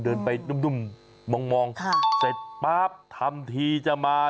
เดินไปนุ่มมองค่ะเสร็จป๊าบทำทีจะมา